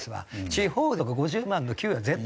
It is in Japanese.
地方とか５０万の給与は絶対。